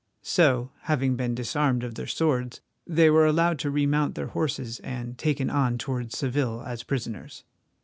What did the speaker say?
So, having been disarmed of their swords, they were allowed to remount their horses and taken on towards Seville as prisoners.